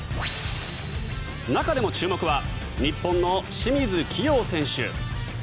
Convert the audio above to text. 中でも注目は日本の清水希容選手。